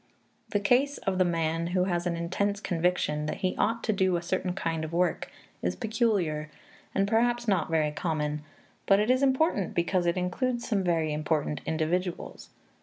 The case of the man who has an intense conviction that he ought to do a certain kind of work is peculiar, and perhaps not very common; but it is important because it includes some very important individuals.